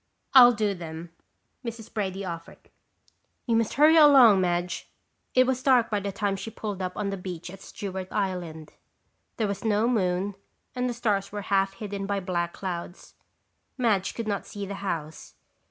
"I'll do them," Mrs. Brady offered. "You must hurry along, Madge." It was dark by the time she pulled up on the beach at Stewart Island. There was no moon and the stars were half hidden by black clouds. Madge could not see the house.